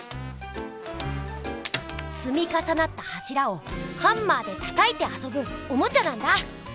つみかさなったはしらをハンマーでたたいてあそぶおもちゃなんだ！